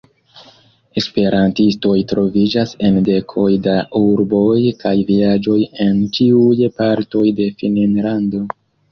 Esperantistoj troviĝas en dekoj da urboj kaj vilaĝoj en ĉiuj partoj de Finnlando.